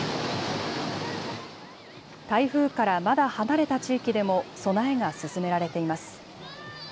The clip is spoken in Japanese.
台風からまだ離れた地域でも備えが進められています。